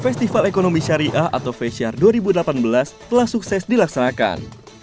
festival ekonomi syariah atau fesyar dua ribu delapan belas telah sukses dilaksanakan